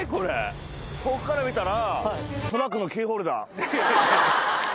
遠くから見たら。